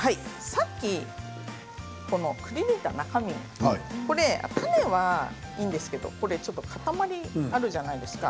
さっき、くりぬいた中身これ、種はいいんですけれど塊あるじゃないですか。